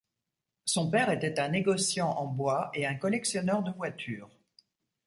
Son père était un négociant en bois et un collectionneur de voitures.